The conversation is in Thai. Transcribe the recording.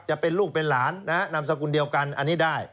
จะเป็นลูกเป็นหลานนามสกุลเดียวกันอันนี้ได้